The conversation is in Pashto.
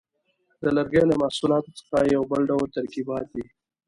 د لرګیو له محصولاتو څخه یو بل ډول ترکیبات دي.